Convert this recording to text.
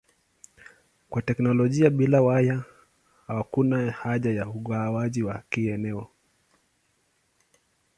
Kwa teknolojia bila waya hakuna haja ya ugawaji wa kieneo.